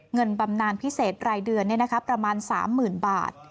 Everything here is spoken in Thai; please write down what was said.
บำนานพิเศษรายเดือนประมาณ๓๐๐๐บาท